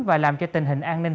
và làm cho tình hình an ninh